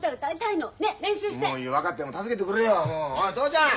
おい父ちゃん！